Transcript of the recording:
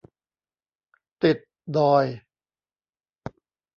ติดดอย